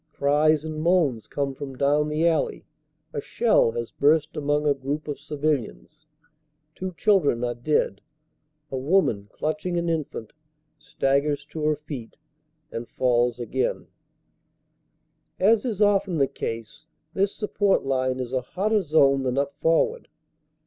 Cries and moans come from down the alley. A shell has burst among a group of civilians. Two children are dead; a woman, clutching an infant, staggers to her feet and falls again. THE MONS ROAD 393 As is often the case, this support line is a hotter zone than up forward.